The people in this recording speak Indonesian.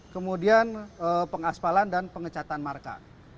kemudian pengaspalan dan pengecatan marka